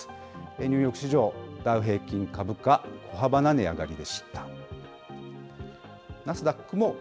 ニューヨーク市場、ダウ平均株価、小幅な値上がりでした。